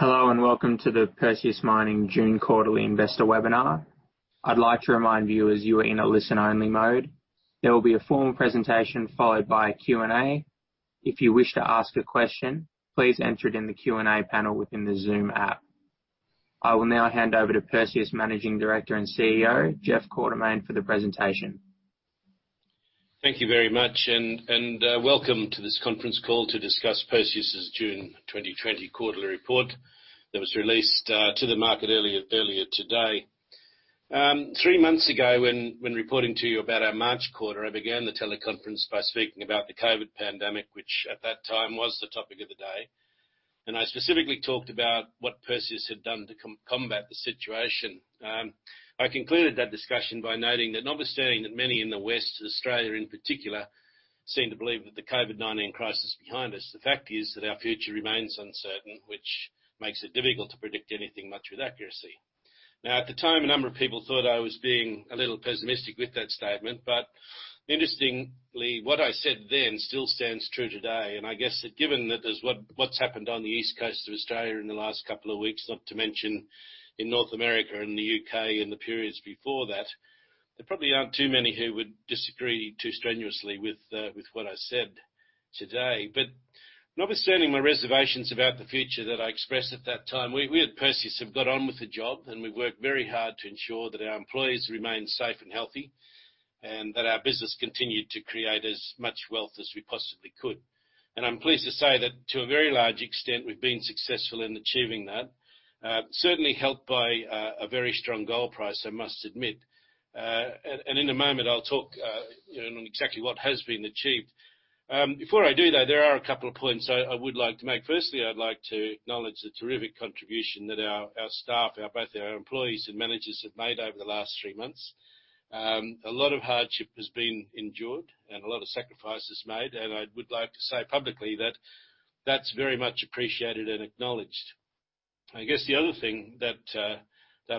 Hello and welcome to the Perseus Mining June Quarterly Investor Webinar. I'd like to remind viewers, you are in a listen-only mode. There will be a formal presentation followed by a Q&A. If you wish to ask a question, please enter it in the Q&A panel within the Zoom app. I will now hand over to Perseus Managing Director and CEO, Jeff Quartermaine, for the presentation. Thank you very much, and welcome to this conference call to discuss Perseus' June 2020 Quarterly Report that was released to the market earlier today. Three months ago, when reporting to you about our March Quarter, I began the teleconference by speaking about the COVID-19 pandemic, which at that time was the topic of the day, and I specifically talked about what Perseus had done to combat the situation. I concluded that discussion by noting that, notwithstanding that many in the West, Australia in particular, seem to believe that the COVID-19 crisis is behind us, the fact is that our future remains uncertain, which makes it difficult to predict anything much with accuracy. Now, at the time, a number of people thought I was being a little pessimistic with that statement, but interestingly, what I said then still stands true today. And I guess that given that there's what's happened on the East Coast of Australia in the last couple of weeks, not to mention in North America and the U.K. in the periods before that, there probably aren't too many who would disagree too strenuously with what I said today. But notwithstanding my reservations about the future that I expressed at that time, we at Perseus have got on with the job, and we've worked very hard to ensure that our employees remain safe and healthy and that our business continued to create as much wealth as we possibly could. And I'm pleased to say that to a very large extent, we've been successful in achieving that, certainly helped by a very strong gold price, I must admit. And in a moment, I'll talk on exactly what has been achieved. Before I do, though, there are a couple of points I would like to make. Firstly, I'd like to acknowledge the terrific contribution that our staff, both our employees and managers, have made over the last three months. A lot of hardship has been endured and a lot of sacrifices made, and I would like to say publicly that that's very much appreciated and acknowledged. I guess the other thing that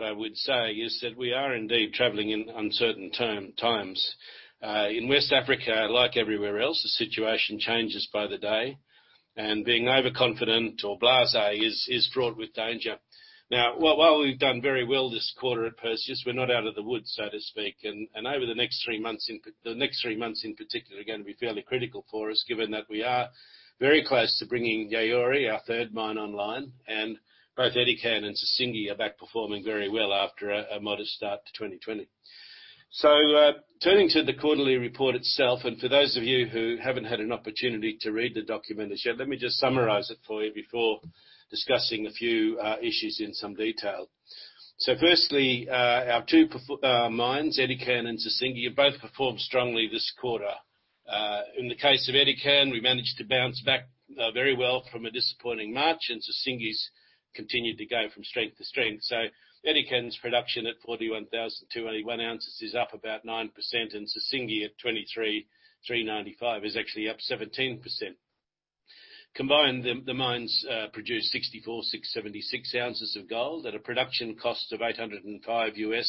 I would say is that we are indeed traveling in uncertain times. In West Africa, like everywhere else, the situation changes by the day, and being overconfident or blasé is fraught with danger. Now, while we've done very well this quarter at Perseus, we're not out of the woods, so to speak. Over the next three months, the next three months in particular, are going to be fairly critical for us, given that we are very close to bringing Yaouré, our third mine, online, and both Edikan and Sissingué are back performing very well after a modest start to 2020. Turning to the Quarterly Report itself, and for those of you who haven't had an opportunity to read the document as yet, let me just summarize it for you before discussing a few issues in some detail. Firstly, our two mines, Edikan and Sissingué, have both performed strongly this quarter. In the case of Edikan, we managed to bounce back very well from a disappointing March, and Sissingué has continued to go from strength to strength. Edikan's production at 41,201 ounces is up about 9%, and Sissingué at 23,395 is actually up 17%. Combined, the mines produced 64,676 ounces of gold at a production cost of $805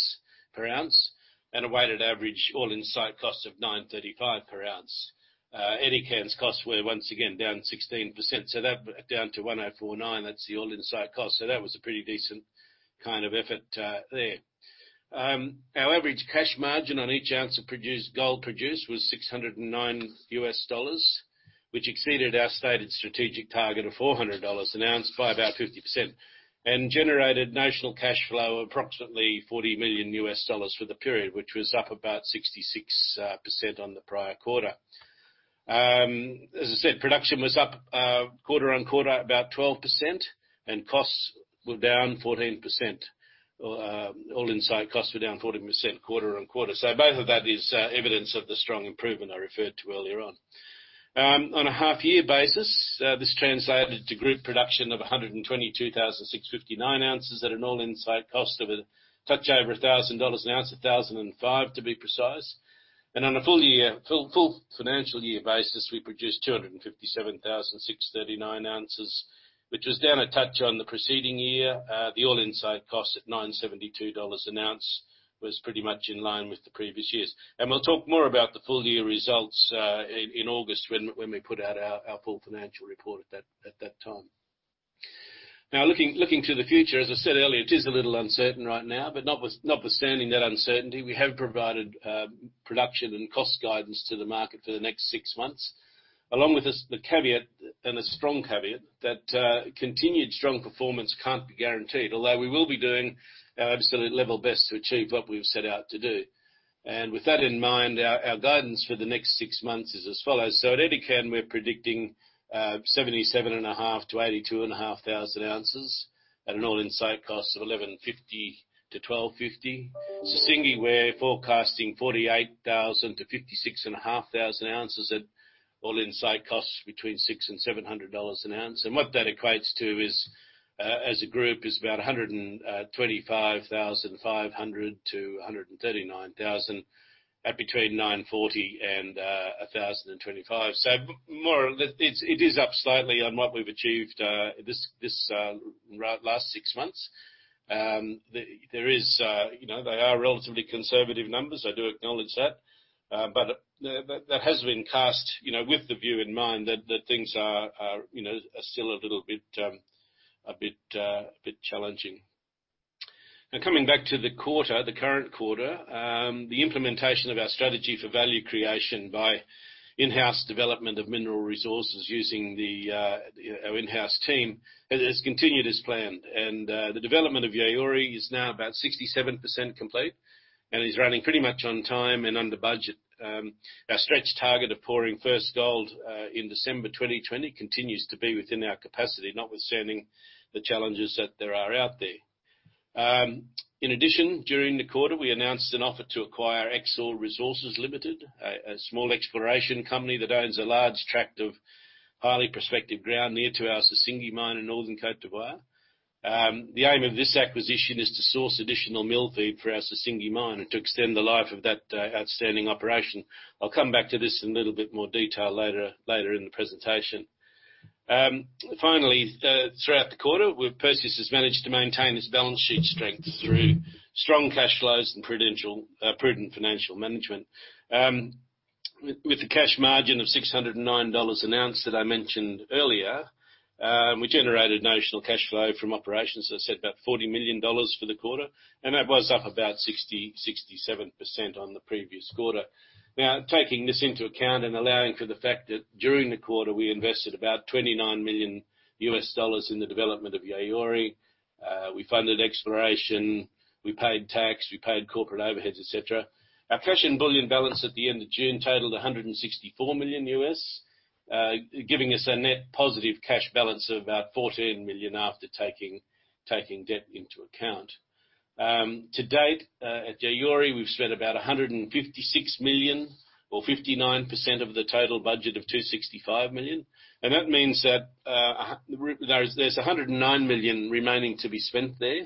per ounce and a weighted average all-in site cost of $935 per ounce. Edikan's costs were once again down 16%. So that down to $1,049, that's the all-in site cost. So that was a pretty decent kind of effort there. Our average cash margin on each ounce of gold produced was $609, which exceeded our stated strategic target of $400 an ounce by about 50%, and generated notional cash flow of approximately $40 million for the period, which was up about 66% on the prior quarter. As I said, production was up quarter on quarter about 12%, and costs were down 14%. All-in site costs were down 14% quarter on quarter. So both of that is evidence of the strong improvement I referred to earlier on. On a half-year basis, this translated to group production of 122,659 ounces at an all-in site cost of a touch over $1,000 an ounce, $1,005 to be precise. On a full financial year basis, we produced 257,639 ounces, which was down a touch on the preceding year. The all-in site cost at $972 an ounce was pretty much in line with the previous years. We'll talk more about the full year results in August when we put out our full financial report at that time. Now, looking to the future, as I said earlier, it is a little uncertain right now, but notwithstanding that uncertainty, we have provided production and cost guidance to the market for the next six months, along with the caveat and a strong caveat that continued strong performance can't be guaranteed, although we will be doing our absolute level best to achieve what we've set out to do. And with that in mind, our guidance for the next six months is as follows. So at Edikan, we're predicting 77,500 to 82,500 ounces at an all-in site cost of $1,150-$1,250. Sissingué, we're forecasting 48,000 to 56,500 ounces at all-in site costs between $600 and $700 an ounce. And what that equates to as a group is about 125,500 to 139,000 at between $940 and $1,025. It is up slightly on what we've achieved this last six months. There are relatively conservative numbers. I do acknowledge that. But that has been cast with the view in mind that things are still a little bit challenging. Now, coming back to the quarter, the current quarter, the implementation of our strategy for value creation by in-house development of mineral resources using our in-house team has continued as planned. And the development of Yaouré is now about 67% complete and is running pretty much on time and under budget. Our stretch target of pouring first gold in December 2020 continues to be within our capacity, notwithstanding the challenges that there are out there. In addition, during the quarter, we announced an offer to acquire Exore Resources Limited, a small exploration company that owns a large tract of highly prospective ground near to our Sissingué mine in Northern Côte d'Ivoire. The aim of this acquisition is to source additional mill feed for our Sissingué mine and to extend the life of that outstanding operation. I'll come back to this in a little bit more detail later in the presentation. Finally, throughout the quarter, Perseus has managed to maintain its balance sheet strength through strong cash flows and prudent financial management. With the cash margin of $609 an ounce that I mentioned earlier, we generated notional cash flow from operations, as I said, about $40 million for the quarter, and that was up about 60%-67% on the previous quarter. Now, taking this into account and allowing for the fact that during the quarter, we invested about $29 million in the development of Yaouré. We funded exploration. We paid tax. We paid corporate overheads, etc. Our cash and bullion balance at the end of June totaled $164 million, giving us a net positive cash balance of about $14 million after taking debt into account. To date, at Yaouré, we've spent about $156 million or 59% of the total budget of $265 million, and that means that there's $109 million remaining to be spent there.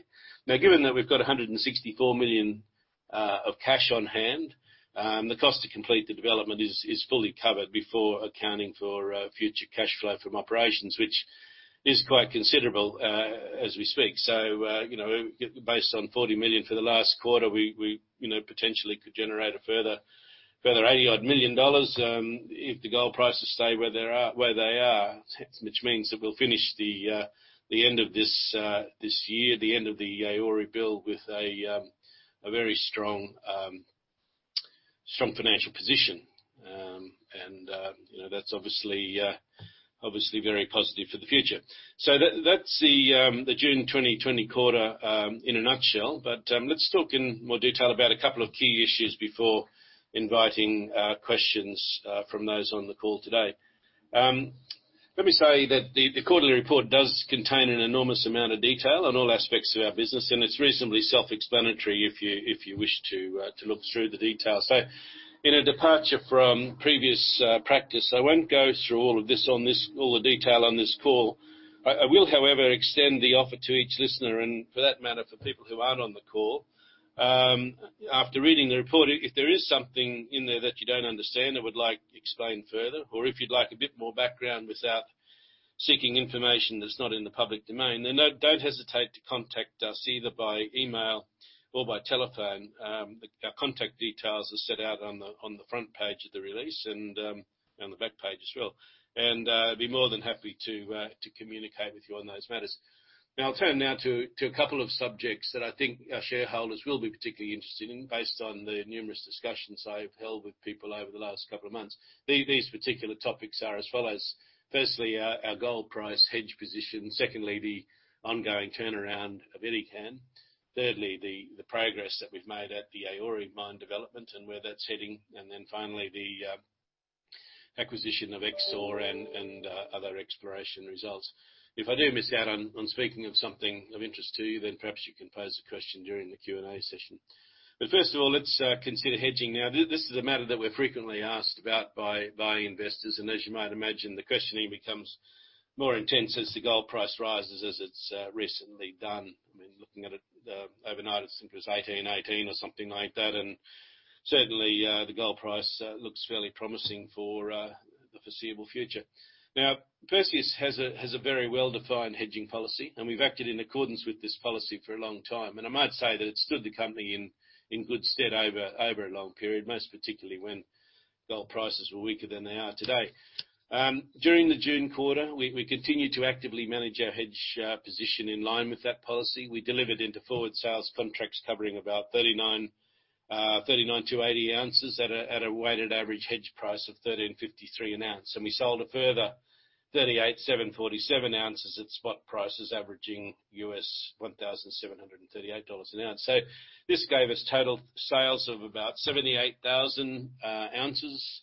Now, given that we've got $164 million of cash on hand, the cost to complete the development is fully covered before accounting for future cash flow from operations, which is quite considerable as we speak. So based on $40 million for the last quarter, we potentially could generate a further $80-odd million if the gold prices stay where they are, which means that we'll finish the end of this year, the end of the Yaouré build, with a very strong financial position. And that's obviously very positive for the future. So that's the June 2020 quarter in a nutshell. But let's talk in more detail about a couple of key issues before inviting questions from those on the call today. Let me say that the Quarterly Report does contain an enormous amount of detail on all aspects of our business, and it's reasonably self-explanatory if you wish to look through the details. So in a departure from previous practice, I won't go through all of this on this, all the detail on this call. I will, however, extend the offer to each listener and, for that matter, for people who aren't on the call. After reading the report, if there is something in there that you don't understand or would like explained further, or if you'd like a bit more background without seeking information that's not in the public domain, then don't hesitate to contact us either by email or by telephone. Our contact details are set out on the front page of the release and on the back page as well, and I'd be more than happy to communicate with you on those matters. Now, I'll turn now to a couple of subjects that I think our shareholders will be particularly interested in based on the numerous discussions I've held with people over the last couple of months. These particular topics are as follows. Firstly, our gold price hedge position. Secondly, the ongoing turnaround of Edikan. Thirdly, the progress that we've made at the Yaouré mine development and where that's heading. And then finally, the acquisition of Exore and other exploration results. If I do miss out on speaking of something of interest to you, then perhaps you can pose the question during the Q&A session. But first of all, let's consider hedging now. This is a matter that we're frequently asked about by investors. And as you might imagine, the questioning becomes more intense as the gold price rises, as it's recently done. I mean, looking at it overnight, it's 18, 18 or something like that. And certainly, the gold price looks fairly promising for the foreseeable future. Now, Perseus has a very well-defined hedging policy, and we've acted in accordance with this policy for a long time. I might say that it's stood the company in good stead over a long period, most particularly when gold prices were weaker than they are today. During the June quarter, we continued to actively manage our hedge position in line with that policy. We delivered into forward sales contracts covering about 39,080 ounces at a weighted average hedge price of $1,353 an ounce. And we sold a further 38,747 ounces at spot prices, averaging $1,738 an ounce. So this gave us total sales of about 78,000 ounces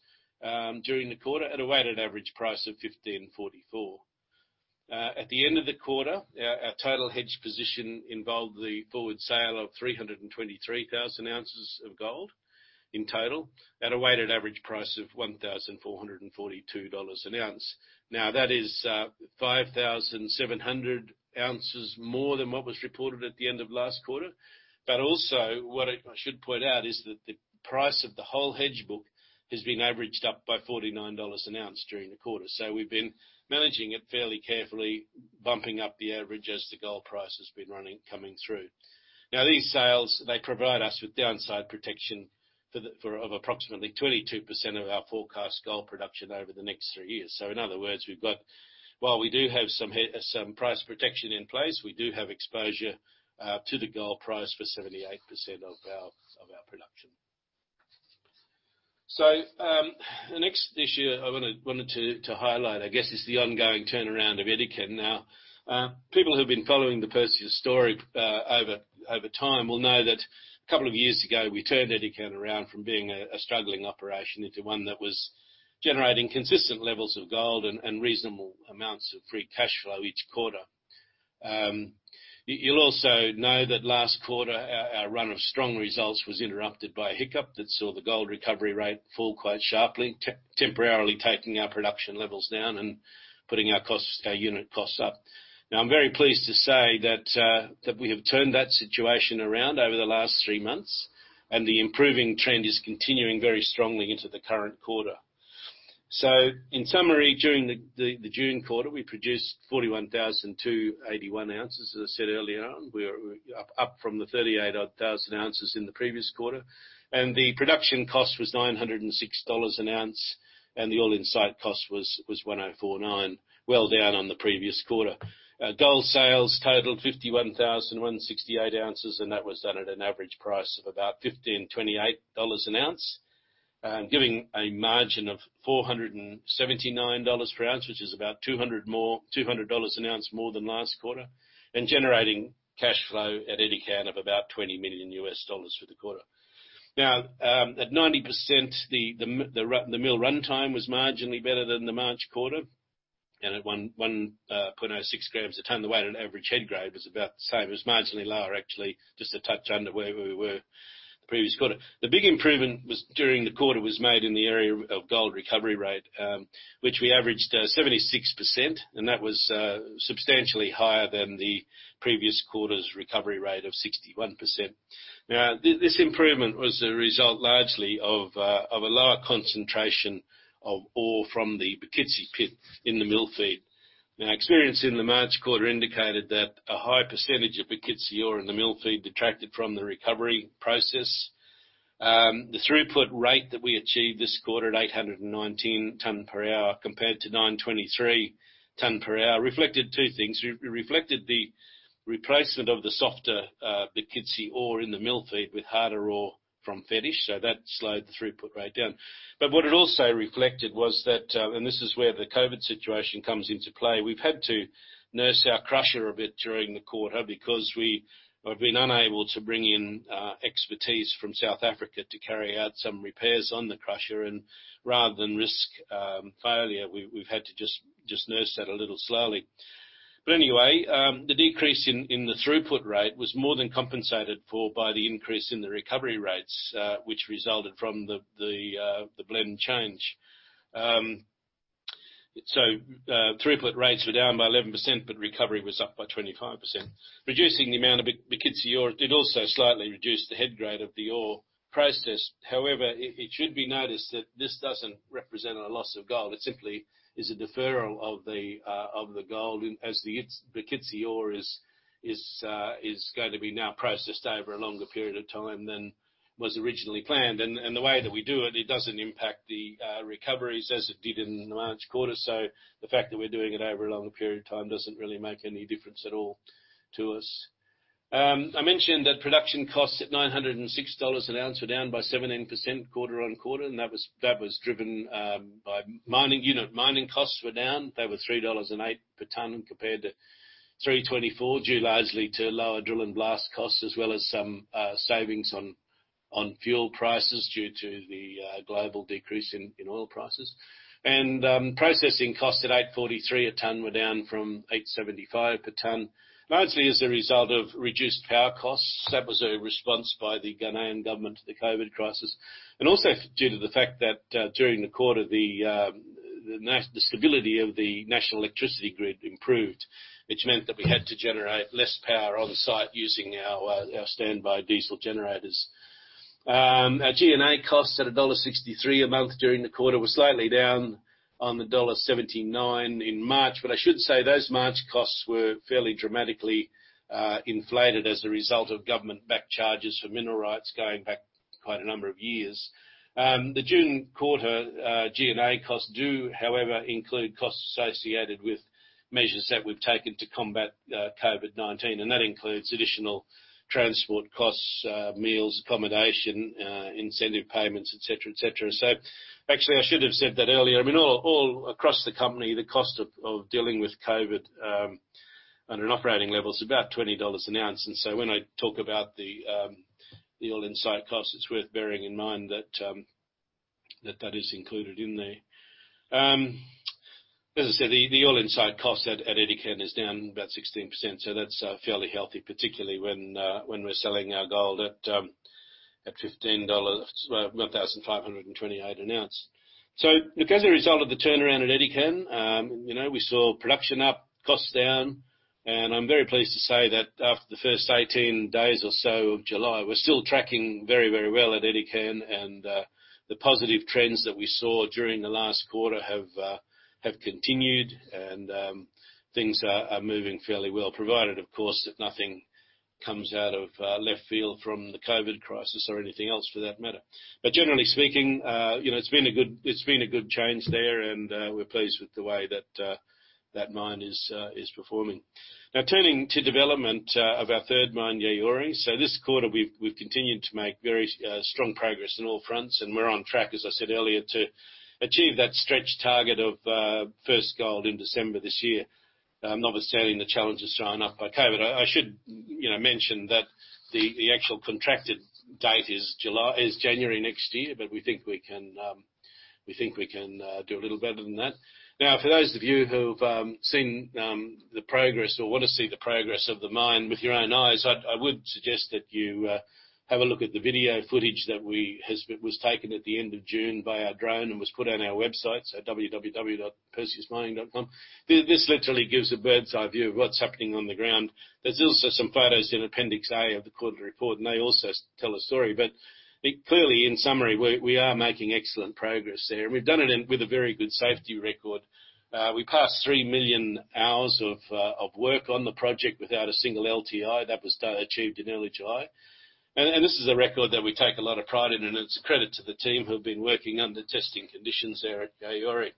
during the quarter at a weighted average price of $1,544. At the end of the quarter, our total hedge position involved the forward sale of 323,000 ounces of gold in total at a weighted average price of $1,442 an ounce. Now, that is 5,700 ounces more than what was reported at the end of last quarter. But also, what I should point out is that the price of the whole hedge book has been averaged up by $49 an ounce during the quarter. So we've been managing it fairly carefully, bumping up the average as the gold price has been coming through. Now, these sales, they provide us with downside protection of approximately 22% of our forecast gold production over the next three years. So in other words, while we do have some price protection in place, we do have exposure to the gold price for 78% of our production. So the next issue I wanted to highlight, I guess, is the ongoing turnaround of Edikan. Now, people who've been following the Perseus story over time will know that a couple of years ago, we turned Edikan around from being a struggling operation into one that was generating consistent levels of gold and reasonable amounts of free cash flow each quarter. You'll also know that last quarter, our run of strong results was interrupted by a hiccup that saw the gold recovery rate fall quite sharply, temporarily taking our production levels down and putting our unit costs up. Now, I'm very pleased to say that we have turned that situation around over the last three months, and the improving trend is continuing very strongly into the current quarter. So in summary, during the June quarter, we produced 41,281 ounces, as I said earlier, up from the 38,000 ounces in the previous quarter. The production cost was $906 an ounce, and the all-in site cost was $1,049, well down on the previous quarter. Gold sales totaled 51,168 ounces, and that was done at an average price of about $1,528 an ounce, giving a margin of $479 per ounce, which is about $200 an ounce more than last quarter, and generating cash flow at Edikan of about $20 million for the quarter. Now, at 90%, the mill runtime was marginally better than the March quarter. At 1.06 grams a ton, the weighted average head grade was about the same. It was marginally lower, actually, just a touch under where we were the previous quarter. The big improvement during the quarter was made in the area of gold recovery rate, which we averaged 76%, and that was substantially higher than the previous quarter's recovery rate of 61%. Now, this improvement was a result largely of a lower concentration of ore from the Bokitsi pit in the mill feed. Now, experience in the March quarter indicated that a high percentage of Bokitsi ore in the mill feed detracted from the recovery process. The throughput rate that we achieved this quarter at 819 tonnes per hour compared to 923 tonnes per hour reflected two things. It reflected the replacement of the softer Bokitsi ore in the mill feed with harder ore from Fetish. So that slowed the throughput rate down. But what it also reflected was that, and this is where the COVID situation comes into play, we've had to nurse our crusher a bit during the quarter because we have been unable to bring in expertise from South Africa to carry out some repairs on the crusher. And rather than risk failure, we've had to just nurse that a little slowly. But anyway, the decrease in the throughput rate was more than compensated for by the increase in the recovery rates, which resulted from the blend change. So throughput rates were down by 11%, but recovery was up by 25%, reducing the amount of Bokitsi ore. It also slightly reduced the head grade of the ore processed. However, it should be noticed that this doesn't represent a loss of gold. It simply is a deferral of the gold as the Bokitsi ore is going to be now processed over a longer period of time than was originally planned. And the way that we do it, it doesn't impact the recoveries as it did in the March quarter. The fact that we're doing it over a longer period of time doesn't really make any difference at all to us. I mentioned that production costs at $906 an ounce were down by 17% quarter on quarter. And that was driven by mining unit. Mining costs were down. They were $3.08 per ton compared to $3.24, due largely to lower drill and blast costs as well as some savings on fuel prices due to the global decrease in oil prices. And processing costs at $8.43 a ton were down from $8.75 per ton, largely as a result of reduced power costs. That was a response by the Ghanaian government to the COVID crisis. And also due to the fact that during the quarter, the stability of the national electricity grid improved, which meant that we had to generate less power on site using our standby diesel generators. Our G&A costs at $1.63 million during the quarter were slightly down on the $1.79 million in March. But I should say those March costs were fairly dramatically inflated as a result of government back charges for mineral rights going back quite a number of years. The June quarter G&A costs do, however, include costs associated with measures that we've taken to combat COVID-19. And that includes additional transport costs, meals, accommodation, incentive payments, etc., etc. So actually, I should have said that earlier. I mean, all across the company, the cost of dealing with COVID on an operating level is about $20 an ounce. And so when I talk about the all-in site costs, it's worth bearing in mind that that is included in there. As I said, the all-in site cost at Edikan is down about 16%. That's fairly healthy, particularly when we're selling our gold at $1,528 an ounce. As a result of the turnaround at Edikan, we saw production up, costs down. I'm very pleased to say that after the first 18 days or so of July, we're still tracking very, very well at Edikan. The positive trends that we saw during the last quarter have continued, and things are moving fairly well, provided, of course, that nothing comes out of left field from the COVID crisis or anything else for that matter. Generally speaking, it's been a good change there, and we're pleased with the way that mine is performing. Now, turning to development of our third mine, Yaouré. This quarter, we've continued to make very strong progress on all fronts. We're on track, as I said earlier, to achieve that stretch target of first gold in December this year, notwithstanding the challenges thrown up by COVID. I should mention that the actual contracted date is January next year, but we think we can do a little better than that. Now, for those of you who've seen the progress or want to see the progress of the mine with your own eyes, I would suggest that you have a look at the video footage that was taken at the end of June by our drone and was put on our website, so www.perseusmining.com. This literally gives a bird's eye view of what's happening on the ground. There's also some photos in Appendix A of the Quarterly Report, and they also tell a story. But clearly, in summary, we are making excellent progress there. And we've done it with a very good safety record. We passed 3 million hours of work on the project without a single LTI. That was achieved in early July. And this is a record that we take a lot of pride in, and it's a credit to the team who've been working under testing conditions there at Yaouré.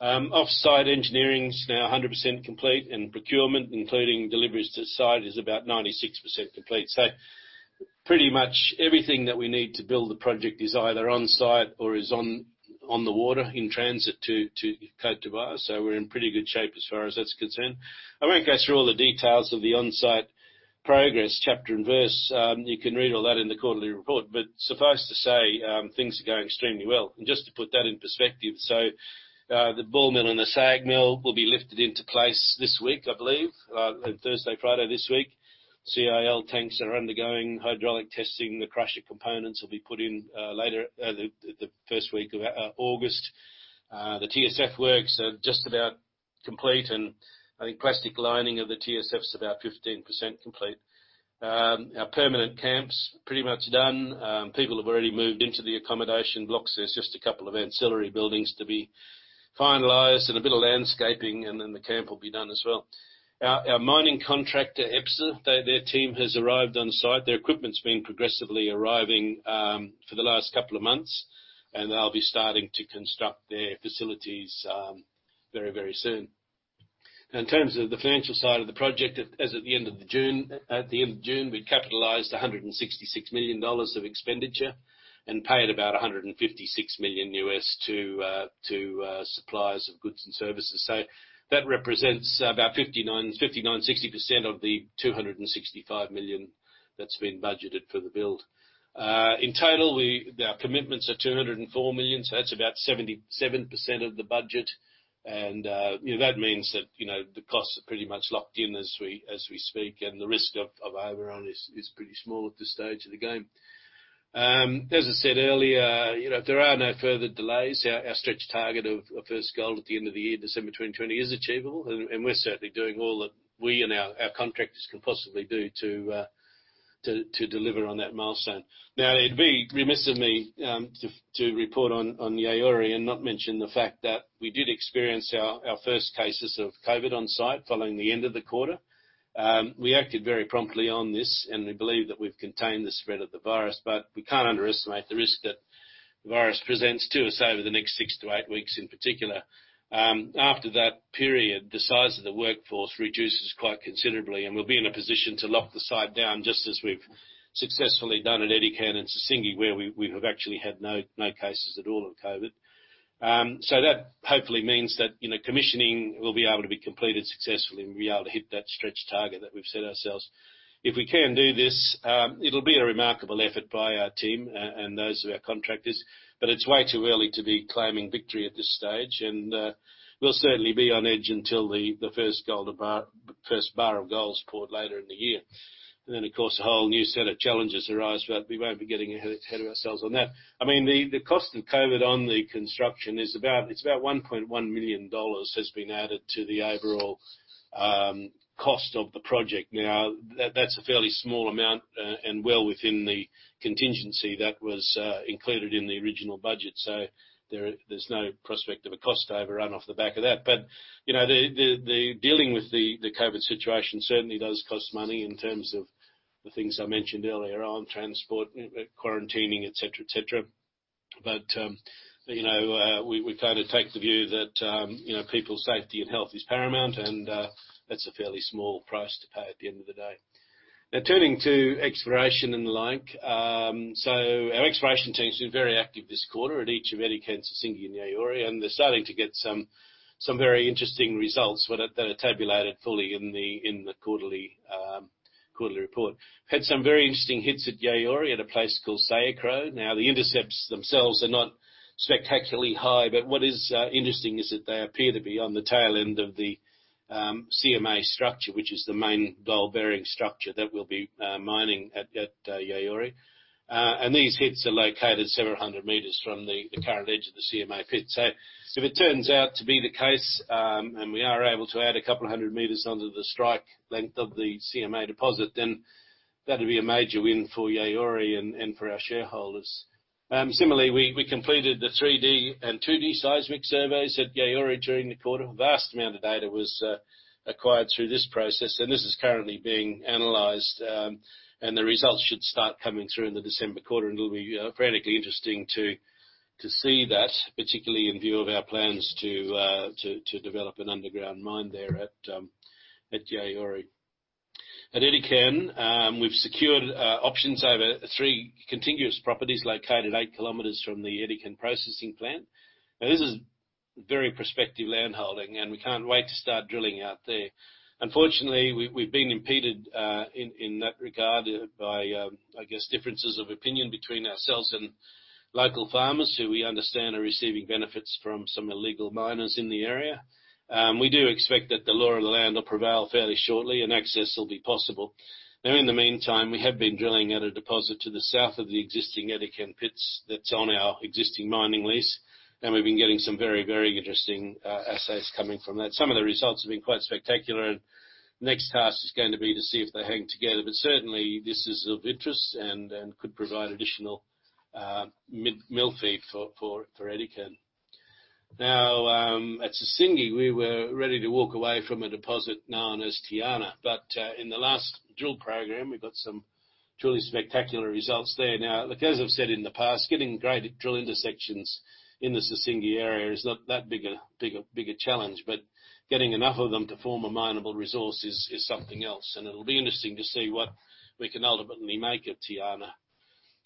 Off-site engineering is now 100% complete, and procurement, including deliveries to site, is about 96% complete. So pretty much everything that we need to build the project is either on site or is on the water in transit to Abidjan. So we're in pretty good shape as far as that's concerned. I won't go through all the details of the on-site progress, chapter and verse. You can read all that in the Quarterly Report. But suffice to say, things are going extremely well. And just to put that in perspective, so the ball mill and the SAG mill will be lifted into place this week, I believe, on Thursday, Friday this week. CIL tanks are undergoing hydraulic testing. The crusher components will be put in late in the first week of August. The TSF works are just about complete. And I think plastic lining of the TSF is about 15% complete. Our permanent camp's pretty much done. People have already moved into the accommodation blocks. There's just a couple of ancillary buildings to be finalized and a bit of landscaping, and then the camp will be done as well. Our mining contractor, EPSA, their team has arrived on site. Their equipment's been progressively arriving for the last couple of months, and they'll be starting to construct their facilities very, very soon. In terms of the financial side of the project, as at the end of June, at the end of June, we capitalized $166 million of expenditure and paid about $156 million to suppliers of goods and services. So that represents about 59-60% of the $265 million that's been budgeted for the build. In total, our commitments are $204 million, so that's about 77% of the budget. And that means that the costs are pretty much locked in as we speak, and the risk of overrun is pretty small at this stage of the game. As I said earlier, if there are no further delays, our stretch target of first gold at the end of the year, December 2020, is achievable. And we're certainly doing all that we and our contractors can possibly do to deliver on that milestone. Now, it'd be remiss of me to report on Yaouré and not mention the fact that we did experience our first cases of COVID on site following the end of the quarter. We acted very promptly on this, and we believe that we've contained the spread of the virus. But we can't underestimate the risk that the virus presents to us over the next six to eight weeks in particular. After that period, the size of the workforce reduces quite considerably, and we'll be in a position to lock the site down just as we've successfully done at Edikan and Sissingué, where we have actually had no cases at all of COVID. So that hopefully means that commissioning will be able to be completed successfully and we'll be able to hit that stretch target that we've set ourselves. If we can do this, it'll be a remarkable effort by our team and those of our contractors, but it's way too early to be claiming victory at this stage, and we'll certainly be on edge until the first bar of gold's poured later in the year, and then, of course, a whole new set of challenges arise, but we won't be getting ahead of ourselves on that. I mean, the cost of COVID on the construction is about $1.1 million has been added to the overall cost of the project. Now, that's a fairly small amount and well within the contingency that was included in the original budget, so there's no prospect of a cost overrun off the back of that, but dealing with the COVID situation certainly does cost money in terms of the things I mentioned earlier on, transport, quarantining, etc., etc. But we kind of take the view that people's safety and health is paramount, and that's a fairly small price to pay at the end of the day. Now, turning to exploration and the like, so our exploration team's been very active this quarter at each of Edikan, Sissingué, and Yaouré. And they're starting to get some very interesting results that are tabulated fully in the Quarterly Report. Had some very interesting hits at Yaouré at a place called Sayikro. Now, the intercepts themselves are not spectacularly high, but what is interesting is that they appear to be on the tail end of the CMA structure, which is the main gold-bearing structure that we'll be mining at Yaouré. And these hits are located several hundred meters from the current edge of the CMA pit. If it turns out to be the case and we are able to add a couple of hundred meters onto the strike length of the CMA deposit, then that'd be a major win for Yaouré and for our shareholders. Similarly, we completed the 3D and 2D seismic surveys at Yaouré during the quarter. A vast amount of data was acquired through this process, and this is currently being analyzed. The results should start coming through in the December quarter. It'll be frankly interesting to see that, particularly in view of our plans to develop an underground mine there at Yaouré. At Edikan, we've secured options over three contiguous properties located 8 km from the Edikan processing plant. Now, this is very prospective land holding, and we can't wait to start drilling out there. Unfortunately, we've been impeded in that regard by, I guess, differences of opinion between ourselves and local farmers who we understand are receiving benefits from some illegal miners in the area. We do expect that the law of the land will prevail fairly shortly, and access will be possible. Now, in the meantime, we have been drilling at a deposit to the south of the existing Edikan pits that's on our existing mining lease, and we've been getting some very, very interesting assays coming from that. Some of the results have been quite spectacular, and the next task is going to be to see if they hang together, but certainly, this is of interest and could provide additional mill feed for Edikan. Now, at Sissingué, we were ready to walk away from a deposit known as Tiana, but in the last drill program, we got some truly spectacular results there. Now, as I've said in the past, getting great drill intersections in the Sissingué area is not that big a challenge. But getting enough of them to form a minable resource is something else. And it'll be interesting to see what we can ultimately make of Tiana.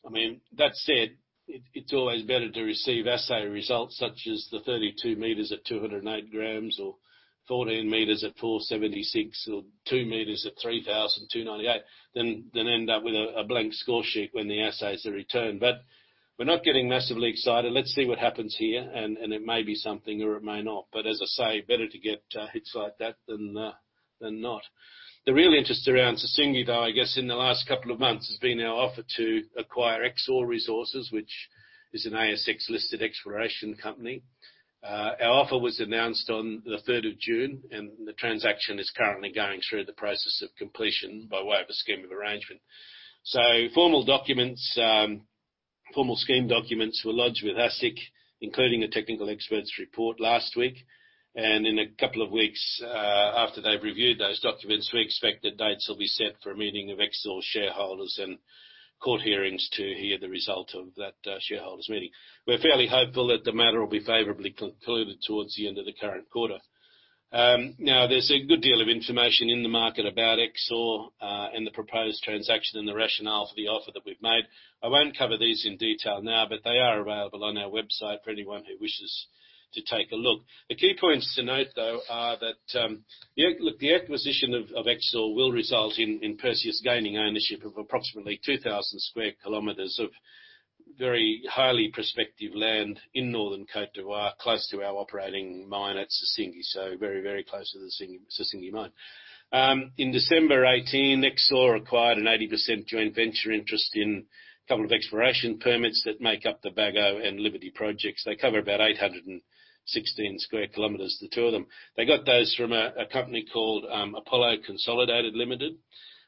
I mean, that said, it's always better to receive assay results such as the 32 meters at 208 grams or 14 meters at 476 or 2 meters at 3,298 than end up with a blank score sheet when the assays are returned. But we're not getting massively excited. Let's see what happens here, and it may be something or it may not. But as I say, better to get hits like that than not. The real interest around Sissingué, though, I guess in the last couple of months, has been our offer to acquire Exore Resources, which is an ASX-listed exploration company. Our offer was announced on the 3rd of June, and the transaction is currently going through the process of completion by way of a scheme of arrangement. So formal scheme documents were lodged with ASIC, including a technical expert's report last week. And in a couple of weeks after they've reviewed those documents, we expect that dates will be set for a meeting of Exore shareholders and court hearings to hear the result of that shareholders' meeting. We're fairly hopeful that the matter will be favorably concluded towards the end of the current quarter. Now, there's a good deal of information in the market about Exore and the proposed transaction and the rationale for the offer that we've made. I won't cover these in detail now, but they are available on our website for anyone who wishes to take a look. The key points to note, though, are that the acquisition of Exore will result in Perseus gaining ownership of approximately 2,000 sq km of very highly prospective land in northern Côte d'Ivoire, close to our operating mine at Sissingué, so very, very close to the Sissingué mine. In December 2018, Exore acquired an 80% joint venture interest in a couple of exploration permits that make up the Bagoé and Liberty projects. They cover about 816 sq km, the two of them. They got those from a company called Apollo Consolidated Limited.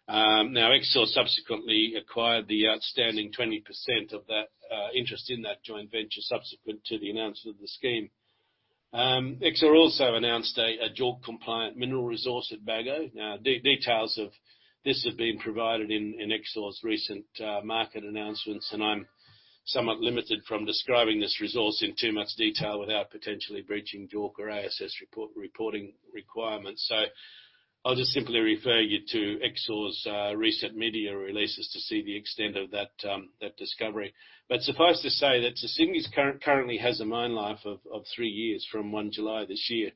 Now, Exore subsequently acquired the outstanding 20% of that interest in that joint venture subsequent to the announcement of the scheme. Exore also announced a JORC-compliant mineral resource at Bagoé. Now, details of this have been provided in Exore's recent market announcements, and I'm somewhat limited from describing this resource in too much detail without potentially breaching JORC or ASX reporting requirements. So I'll just simply refer you to Exore's recent media releases to see the extent of that discovery. But suffice to say that Sissingué currently has a mine life of three years from 1 July this year.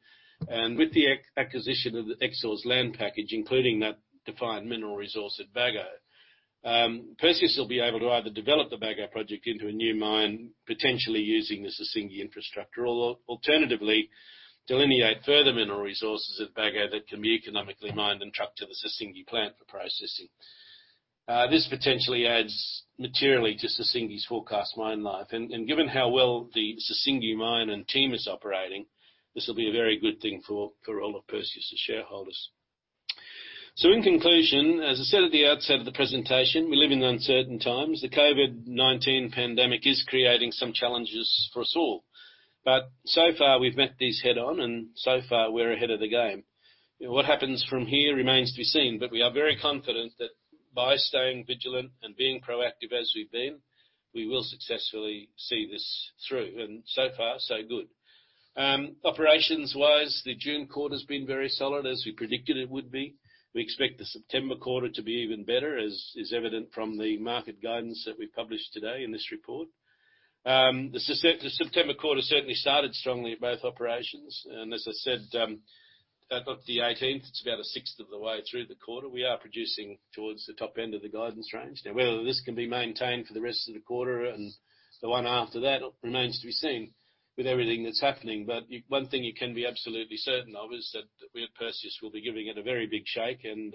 And with the acquisition of Exore's land package, including that defined mineral resource at Bagoé, Perseus will be able to either develop the Bagoé project into a new mine, potentially using the Sissingué infrastructure, or alternatively delineate further mineral resources at Bagoé that can be economically mined and trucked to the Sissingué plant for processing. This potentially adds materially to Sissingué's forecast mine life. Given how well the Sissingué mine and team is operating, this will be a very good thing for all of Perseus' shareholders. In conclusion, as I said at the outset of the presentation, we live in uncertain times. The COVID-19 pandemic is creating some challenges for us all. So far, we've met these head-on, and so far, we're ahead of the game. What happens from here remains to be seen. We are very confident that by staying vigilant and being proactive as we've been, we will successfully see this through. So far, so good. Operations-wise, the June quarter's been very solid as we predicted it would be. We expect the September quarter to be even better, as is evident from the market guidance that we've published today in this report. The September quarter certainly started strongly at both operations. As I said, that's not the 18th. It's about a sixth of the way through the quarter. We are producing towards the top end of the guidance range. Now, whether this can be maintained for the rest of the quarter and the one after that remains to be seen with everything that's happening. But one thing you can be absolutely certain of is that we at Perseus will be giving it a very big shake and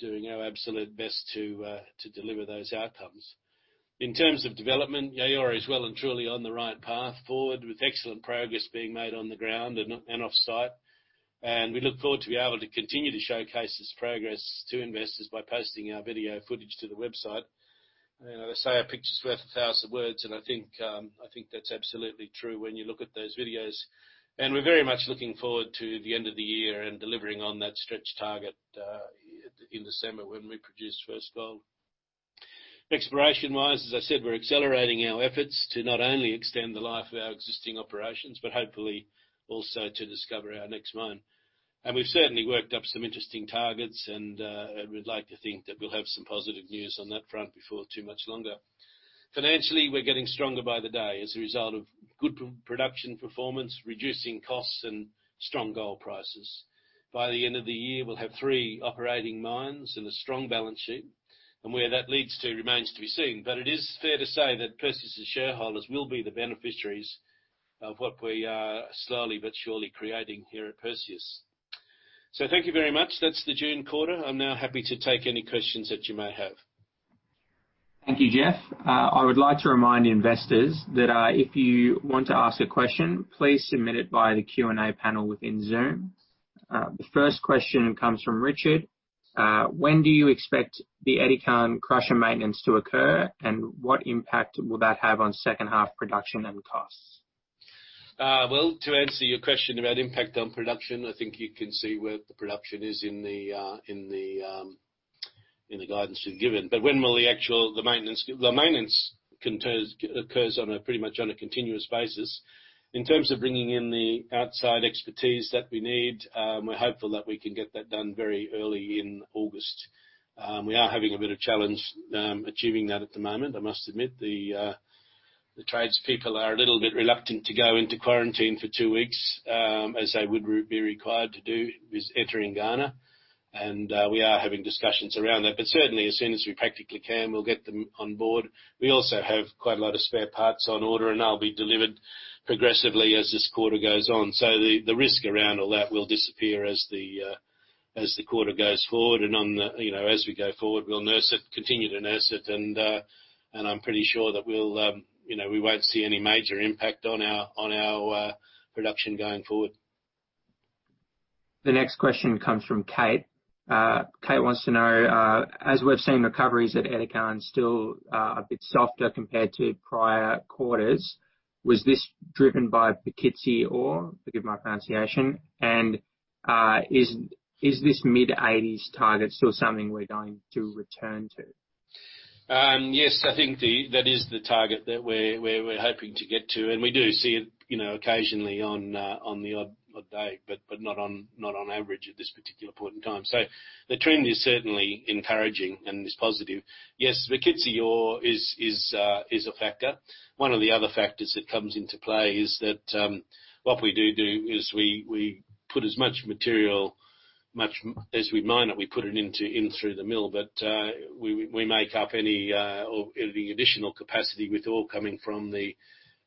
doing our absolute best to deliver those outcomes. In terms of development, Yaouré is well and truly on the right path forward with excellent progress being made on the ground and off-site. We look forward to be able to continue to showcase this progress to investors by posting our video footage to the website. As I say, a picture's worth a thousand words, and I think that's absolutely true when you look at those videos. And we're very much looking forward to the end of the year and delivering on that stretch target in December when we produce first gold. Exploration-wise, as I said, we're accelerating our efforts to not only extend the life of our existing operations, but hopefully also to discover our next mine. And we've certainly worked up some interesting targets, and we'd like to think that we'll have some positive news on that front before too much longer. Financially, we're getting stronger by the day as a result of good production performance, reducing costs, and strong gold prices. By the end of the year, we'll have three operating mines and a strong balance sheet. And where that leads to remains to be seen. But it is fair to say that Perseus' shareholders will be the beneficiaries of what we are slowly but surely creating here at Perseus. So thank you very much. That's the June quarter. I'm now happy to take any questions that you may have. Thank you, Jeff. I would like to remind investors that if you want to ask a question, please submit it via the Q&A panel within Zoom. The first question comes from Richard. When do you expect the Edikan crusher maintenance to occur, and what impact will that have on second-half production and costs? Well, to answer your question about impact on production, I think you can see where the production is in the guidance we've given. But when will the actual maintenance occur? It occurs pretty much on a continuous basis. In terms of bringing in the outside expertise that we need, we're hopeful that we can get that done very early in August. We are having a bit of challenge achieving that at the moment. I must admit the tradespeople are a little bit reluctant to go into quarantine for two weeks as they would be required to do with entering Ghana. And we are having discussions around that. But certainly, as soon as we practically can, we'll get them on board. We also have quite a lot of spare parts on order, and they'll be delivered progressively as this quarter goes on. So the risk around all that will disappear as the quarter goes forward. And as we go forward, we'll nurse it, continue to nurse it. And I'm pretty sure that we won't see any major impact on our production going forward. The next question comes from Kate. Kate wants to know, as we've seen recoveries at Edikan, still a bit softer compared to prior quarters. Was this driven by Bokitsi Ore, forgive my pronunciation? And is this mid-80s target still something we're going to return to? Yes, I think that is the target that we're hoping to get to. And we do see it occasionally on the odd day, but not on average at this particular point in time. So the trend is certainly encouraging and is positive. Yes, Bokitsi Ore is a factor. One of the other factors that comes into play is that what we do do is we put as much material as we mine it, we put it in through the mill. But we make up any additional capacity with ore coming from the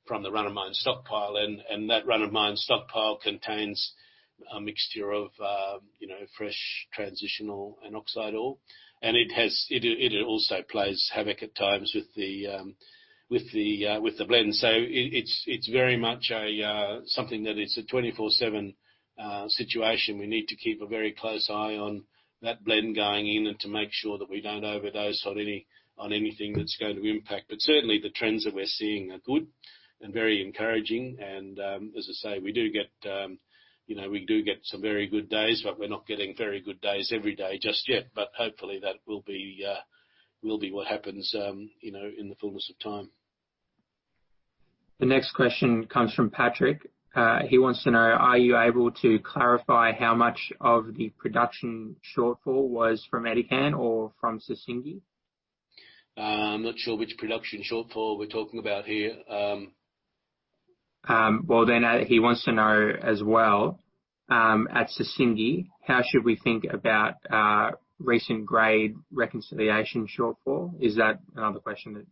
run-of-mine stockpile. And that run-of-mine stockpile contains a mixture of fresh transitional and oxide ore. And it also plays havoc at times with the blend. So it's very much something that it's a 24/7 situation. We need to keep a very close eye on that blend going in and to make sure that we don't overdose on anything that's going to impact. But certainly, the trends that we're seeing are good and very encouraging. And as I say, we do get some very good days, but we're not getting very good days every day just yet. But hopefully, that will be what happens in the fullness of time. The next question comes from Patrick. He wants to know, are you able to clarify how much of the production shortfall was from Edikan or from Sissingué? I'm not sure which production shortfall we're talking about here. Then he wants to know as well, at Sissingué, how should we think about recent grade reconciliation shortfall? Is that another question that is?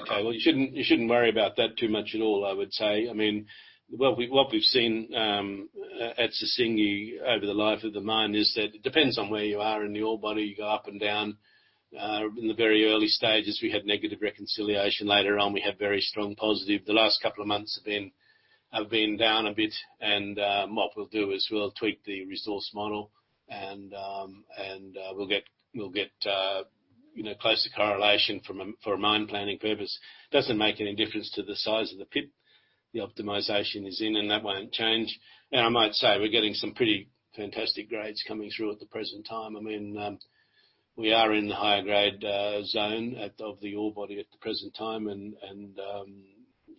Okay. You shouldn't worry about that too much at all, I would say. I mean, what we've seen at Sissingué over the life of the mine is that it depends on where you are in the ore body. You go up and down. In the very early stages, we had negative reconciliation. Later on, we had very strong positive. The last couple of months have been down a bit. And what we'll do is we'll tweak the resource model, and we'll get closer correlation for a mine planning purpose. It doesn't make any difference to the size of the pit the optimization is in, and that won't change. And I might say we're getting some pretty fantastic grades coming through at the present time. I mean, we are in the higher grade zone of the ore body at the present time, and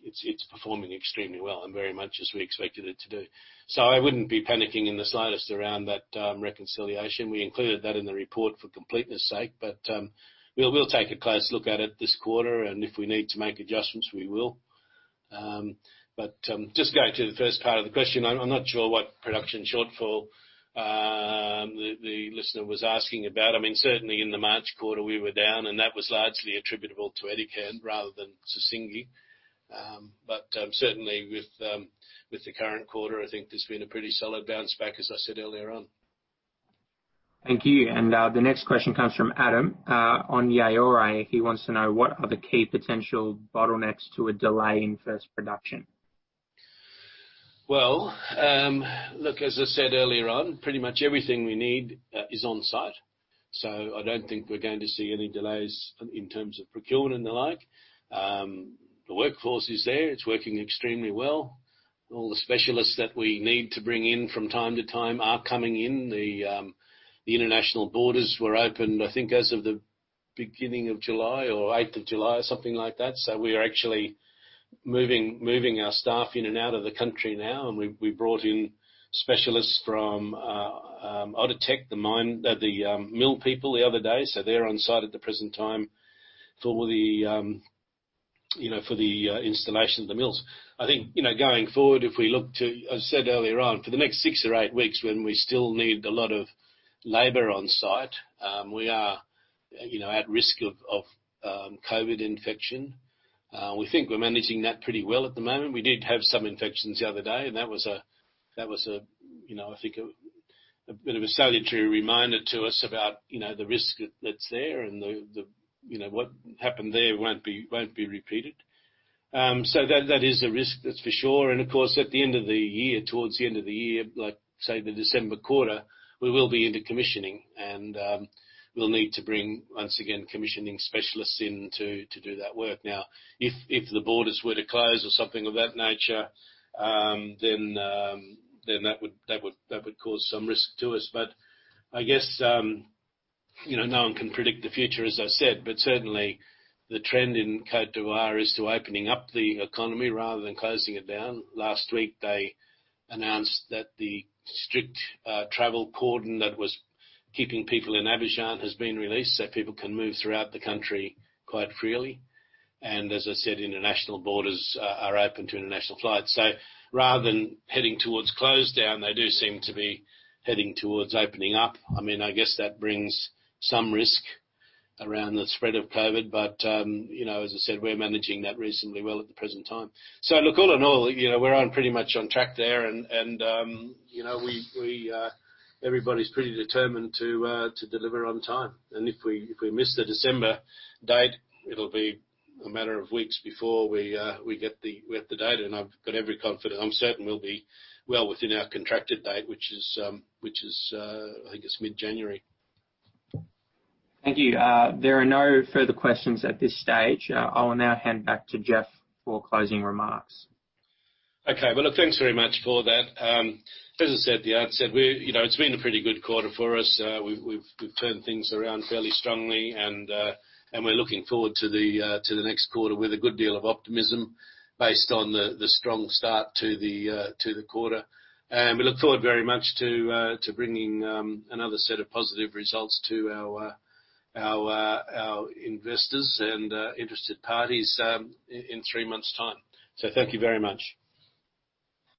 it's performing extremely well and very much as we expected it to do. So I wouldn't be panicking in the slightest around that reconciliation. We included that in the report for completeness' sake. But we'll take a close look at it this quarter, and if we need to make adjustments, we will. But just going to the first part of the question, I'm not sure what production shortfall the listener was asking about. I mean, certainly in the March quarter, we were down, and that was largely attributable to Edikan rather than Sissingué. But certainly, with the current quarter, I think there's been a pretty solid bounce back, as I said earlier on. Thank you. And the next question comes from Adam. On Yaouré, he wants to know, what are the key potential bottlenecks to a delay in first production? Well, look, as I said earlier on, pretty much everything we need is on-site. So I don't think we're going to see any delays in terms of procurement and the like. The workforce is there. It's working extremely well. All the specialists that we need to bring in from time to time are coming in. The international borders were opened, I think, as of the beginning of July or 8th of July or something like that. So we are actually moving our staff in and out of the country now. And we brought in specialists from Outotec, the mill people, the other day. So they're on-site at the present time for the installation of the mills. I think going forward, if we look to, as I said earlier on, for the next six or eight weeks, when we still need a lot of labor on-site, we are at risk of COVID infection. We think we're managing that pretty well at the moment. We did have some infections the other day, and that was a, I think, a bit of a salutary reminder to us about the risk that's there and what happened there won't be repeated. So that is a risk, that's for sure. And of course, at the end of the year, towards the end of the year, say the December quarter, we will be into commissioning, and we'll need to bring once again commissioning specialists in to do that work. Now, if the borders were to close or something of that nature, then that would cause some risk to us. But I guess no one can predict the future, as I said. But certainly, the trend in Côte d'Ivoire is to opening up the economy rather than closing it down. Last week, they announced that the strict travel cordon that was keeping people in Abidjan has been released, so people can move throughout the country quite freely. And as I said, international borders are open to international flights. So rather than heading towards closed down, they do seem to be heading towards opening up. I mean, I guess that brings some risk around the spread of COVID. But as I said, we're managing that reasonably well at the present time. So look, all in all, we're pretty much on track there, and everybody's pretty determined to deliver on time. And if we miss the December date, it'll be a matter of weeks before we get the date. I've got every confidence I'm certain we'll be well within our contracted date, which is, I think, mid-January. Thank you. There are no further questions at this stage. I will now hand back to Jeff for closing remarks. Okay. Well, thanks very much for that. As I said, it's been a pretty good quarter for us. We've turned things around fairly strongly, and we're looking forward to the next quarter with a good deal of optimism based on the strong start to the quarter. We look forward very much to bringing another set of positive results to our investors and interested parties in three months' time. So thank you very much.